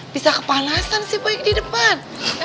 bisa kepanasan sih baik di depan